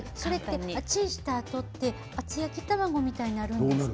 チンしたあと厚焼き卵みたいになるんですか？